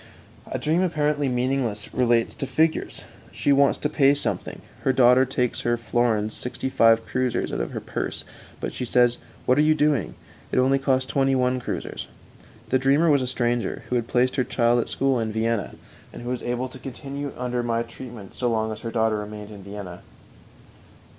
A dream apparently meaningless relates to figures. _"She wants to pay something; her daughter takes three florins sixty five kreuzers out of her purse; but she says: 'What are you doing? It only cost twenty one kreuzers.'"_ The dreamer was a stranger who had placed her child at school in Vienna, and who was able to continue under my treatment so long as her daughter remained at Vienna.